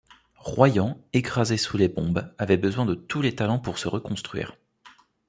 Royan, écrasé sous les bombes, avait besoin de tous les talents pour se reconstruire.